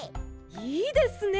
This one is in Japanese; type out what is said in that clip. いいですね！